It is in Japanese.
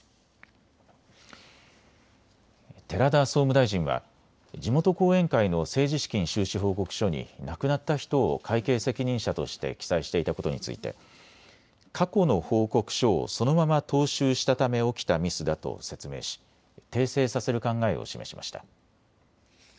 寺田総務大臣は地元後援会の政治資金収支報告書に亡くなった人を会計責任者として記載していたことについて過去の報告書をそのまま踏襲したため起きたミスだと説明し訂正させる考えを示しました。